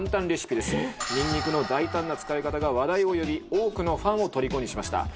ニンニクの大胆な使い方が話題を呼び多くのファンを虜にしました。